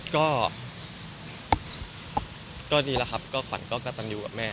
ก็ดีแล้วครับก็ขวัญก็กระตันอยู่กับแม่